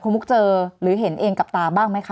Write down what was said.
คุณมุกเจอหรือเห็นเองกับตาบ้างไหมคะ